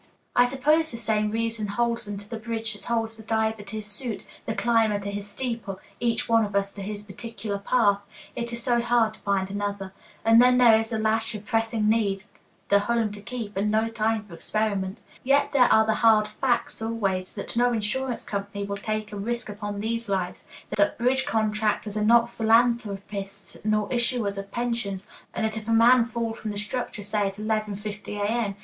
I suppose the same reason holds them to the bridge that holds the diver to his suit, the climber to his steeple, each one of us to his particular path it is so hard to find another. And then there is the lash of pressing need, the home to keep, and no time for experiment. Yet there are the hard facts always, that no insurance company will take a risk upon these lives, that bridge contractors are not philanthropists nor issuers of pensions, and that if a man fall from the structure, say at 11.50 A.M.